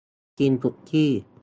กินสุกี้